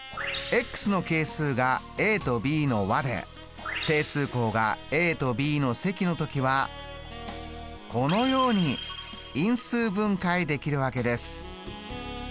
の係数がとｂの和で定数項がとｂの積の時はこのように因数分解できるわけです。